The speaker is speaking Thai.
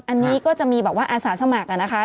อันนี้ก็จะมีอาสาสมัครนะคะ